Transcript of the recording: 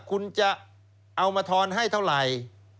คุณจะเอามาทอนให้เท่าไหร่